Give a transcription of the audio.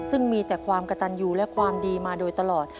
ซึ่งมีแต่ความกระตันยูและความดีมาโดยตลอด